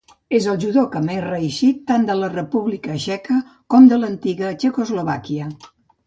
És el judoka més reeixit tant de la República Txeca com de l'antiga Txecoslovàquia.